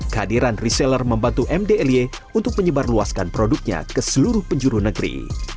kadiran reseller membantu mdlj untuk menyebar luaskan produknya ke seluruh penjuru negeri